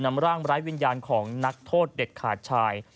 นำร่างไร้วิญญาณของนักโทษเด็ดขาดชาย